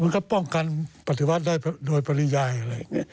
ก็ป้องกันปฏิวัติได้โดยปริยายอะไรอย่างนี้